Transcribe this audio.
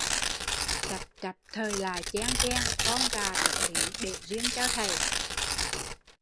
Chặp chặp thời lại cheng cheng, con gà trống thiến để riêng cho thầy